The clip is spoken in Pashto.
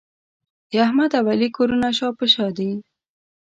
د احمد او علي کورونه شا په شا دي.